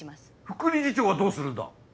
副理事長はどうするんだ？